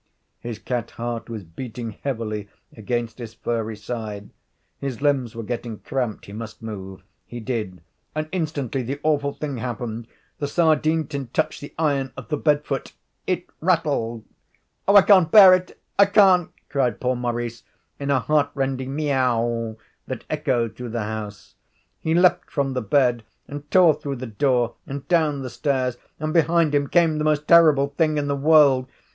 His cat heart was beating heavily against his furry side. His limbs were getting cramped he must move. He did. And instantly the awful thing happened. The sardine tin touched the iron of the bed foot. It rattled. 'Oh, I can't bear it, I can't,' cried poor Maurice, in a heartrending meaow that echoed through the house. He leaped from the bed and tore through the door and down the stairs, and behind him came the most terrible thing in the world.